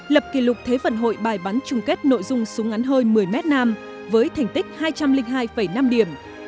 lập kỷ lục thế vận hội bài bắn trùng kết nội dung súng ngắn hơi một mươi m nam với thành tích hai trăm linh hai năm điểm